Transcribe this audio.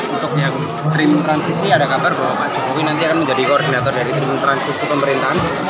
untuk yang tim transisi ada kabar bahwa pak jokowi nanti akan menjadi koordinator dari tim transisi pemerintahan